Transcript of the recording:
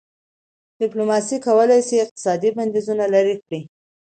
ډيپلوماسي کولای سي اقتصادي بندیزونه لېرې کړي.